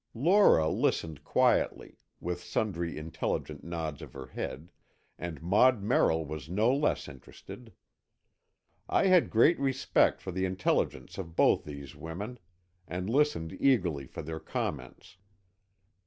Lora listened quietly, with sundry intelligent nods of her head, and Maud Merrill was no less interested. I had great respect for the intelligence of both these women, and listened eagerly for their comments.